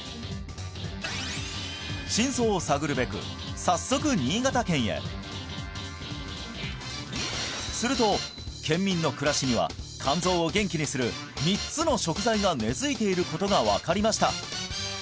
真相を探るべくすると県民の暮らしには肝臓を元気にする３つの食材が根づいていることが分かりました